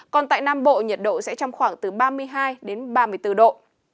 còn tại nam bộ nhiệt độ sẽ trong khoảng từ ba mươi hai đến ba mươi bốn độ